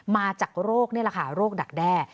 มาจากโรคนี่แหละค่ะโรคดักแด้